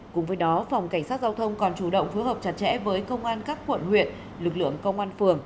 cùng với đó phòng cảnh sát giao thông còn chủ động phối hợp chặt chẽ với công an các quận huyện lực lượng công an phường